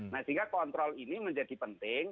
nah sehingga kontrol ini menjadi penting